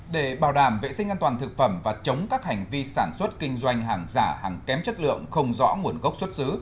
để bảo đảm vệ sinh an toàn thực phẩm và chống các hành vi sản xuất kinh doanh hàng giả hàng kém chất lượng không rõ nguồn gốc xuất xứ